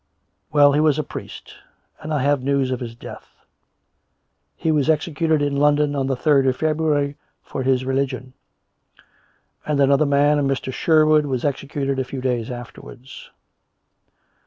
" Well, he was a priest ; and I have news of his death. He was executed in London on the third of Feb ruary for his religion. And another man, a Mr. Sherwood, was executed a few days afterwards."